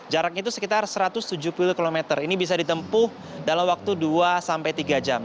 jaraknya itu sekitar satu ratus tujuh puluh km ini bisa ditempuh dalam waktu dua sampai tiga jam